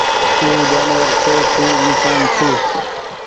او جآنور ڇي توُن تو انسآن ڇي